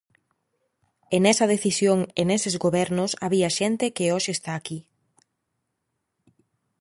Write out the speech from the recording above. E nesa decisión e neses gobernos había xente que hoxe está aquí.